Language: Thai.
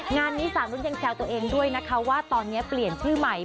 งานนี้สาวนุษย์ยังแซวตัวเองด้วยนะคะว่าตอนนี้เปลี่ยนชื่อใหม่